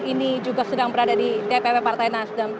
ini juga sedang berada di dpp partai nasdem